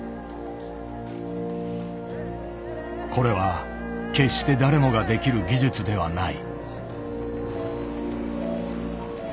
これは決して誰もができる技術ではない。